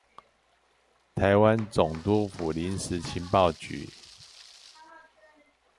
臺灣總督府臨時情報部